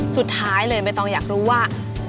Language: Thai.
สุดท้ายเลยไม่ต้องอยากรู้ว่า